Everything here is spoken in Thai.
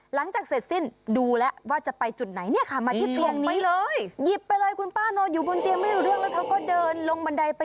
หลังจากเสร็จสิ้น